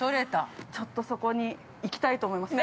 ちょっとそこに行きたいと思います。